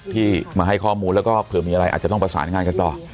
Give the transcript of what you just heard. ที่มาให้ข้อมูลแล้วก็เผื่อมีอะไรอาจจะต้องประสานงานกันต่อ